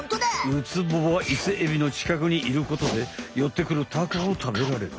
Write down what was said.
ウツボはイセエビのちかくにいることでよってくるタコを食べられる。